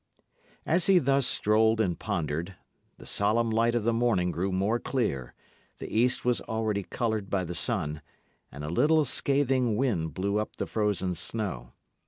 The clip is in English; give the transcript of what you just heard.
As he thus strolled and pondered, the solemn light of the morning grew more clear, the east was already coloured by the sun, and a little scathing wind blew up the frozen snow.